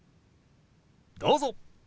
どうぞ。